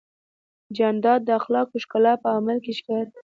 جانداد د اخلاقو ښکلا په عمل کې ښکاري.